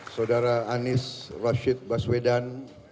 saudara anies rashid baswedan